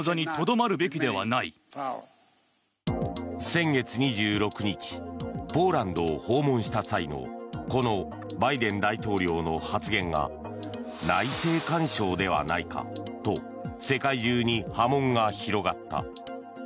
先月２６日ポーランドを訪問した際のこのバイデン大統領の発言が内政干渉ではないかと世界中に波紋が広がった。